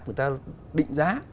người ta định giá